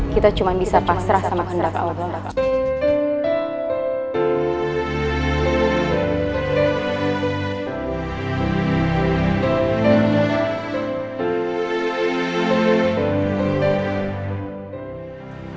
kita cuma bisa pasrah sama kontrak allah